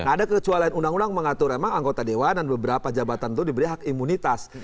ada kecuali undang undang mengatur emang anggota dewan dan beberapa jabatan itu diberi hak imunitas